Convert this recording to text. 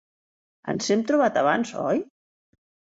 Ens hem trobat abans, oi?